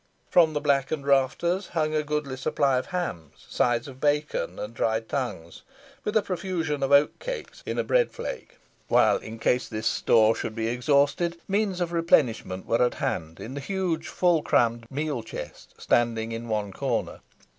From the blackened rafters hung a goodly supply of hams, sides of bacon, and dried tongues, with a profusion of oatcakes in a bread flake; while, in case this store should be exhausted, means of replenishment were at hand in the huge, full crammed meal chest standing in one corner.